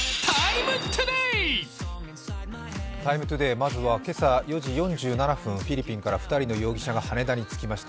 まずは今朝４時４７分、フィリピンから２人の容疑者が羽田に着きました。